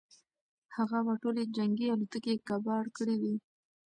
هغه به ټولې جنګي الوتکې کباړ کړې وي.